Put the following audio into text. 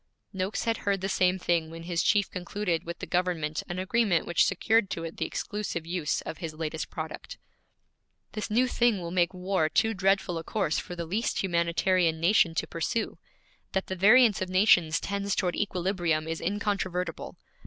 Noakes had heard the same thing when his chief concluded with the government an agreement which secured to it the exclusive use of his latest product. 'This new thing will make war too dreadful a course for the least humanitarian nation to pursue. That the variance of nations tends toward equilibrium is incontrovertible.